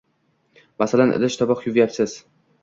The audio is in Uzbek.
Masalan, idish-tovoq yuvayapsiz.